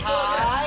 はい！